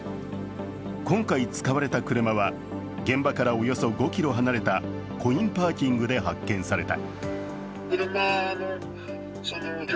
今回使われた車は現場からおよそ５ｋｍ離れたコインパーキングで発見された。